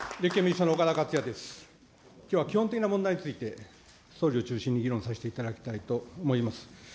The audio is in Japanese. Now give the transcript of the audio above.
きょうは基本的な問題について、総理を中心に議論させていただきたいと思います。